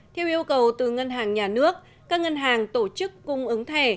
theo yêu cầu từ ngân hàng nhà nước các ngân hàng tổ chức cung ứng thẻ